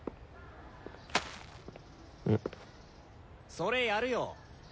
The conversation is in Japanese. それやるよ。